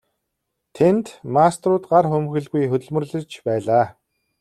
Тэнд мастерууд гар хумхилгүй хөдөлмөрлөж байлаа.